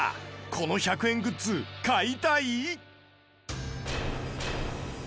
この１００円グッズ買いたい？